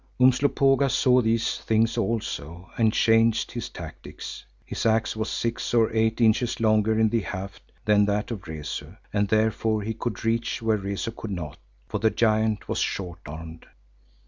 Umslopogaas saw these things also and changed his tactics. His axe was six or eight inches longer in the haft than that of Rezu, and therefore he could reach where Rezu could not, for the giant was short armed.